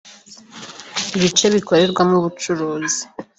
ibice bikorerwamo ubucuruzi